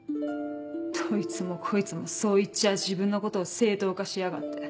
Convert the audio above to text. どいつもこいつもそう言っちゃ自分のことを正当化しやがって。